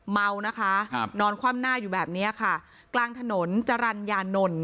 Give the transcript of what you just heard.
เมานะคะครับนอนคว่ำหน้าอยู่แบบเนี้ยค่ะกลางถนนจรรยานนท์